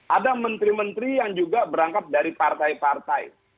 ada menteri menteri yang juga berangkat dari partai partai